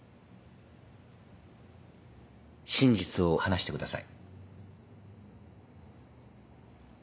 真実を話してください。